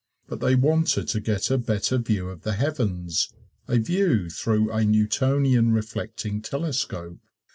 But they wanted to get a better view of the heavens a view through a Newtonian reflecting telescope.